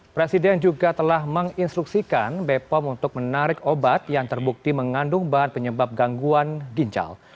presiden juga telah menginstruksikan bepom untuk menarik obat yang terbukti mengandung bahan penyebab gangguan ginjal